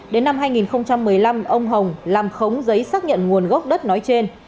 đến năm hai nghìn một mươi năm ông hồng làm khống giấy xác nhận nguồn gốc đất nói trên